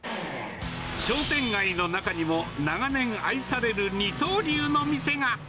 商店街の中にも長年愛される二刀流の店が。